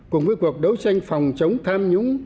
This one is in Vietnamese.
cùng với cuộc đấu tranh phòng chống tham nhũng